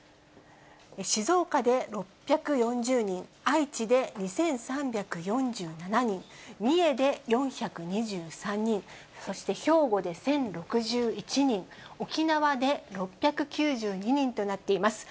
静岡で６４０人、愛知で２３４７人、三重で４２３人、そして兵庫で１０６１人、沖縄で６９２人となっています。